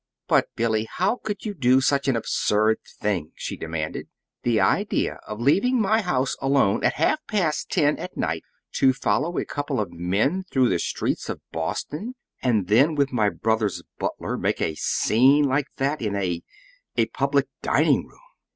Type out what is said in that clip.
"But, Billy, how could you do such an absurd thing?" she demanded. "The idea of leaving my house alone, at half past ten at night, to follow a couple of men through the streets of Boston, and then with my brothers' butler make a scene like that in a a public dining room!"